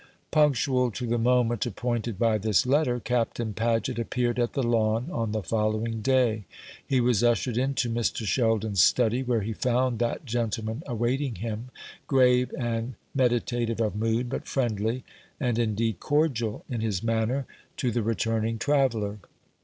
Punctual to the moment appointed by this letter, Captain Paget appeared at the Lawn on the following day. He was ushered into Mr. Sheldon's study, where he found that gentleman awaiting him, grave and meditative of mood, but friendly, and indeed cordial, in his manner to the returning traveller.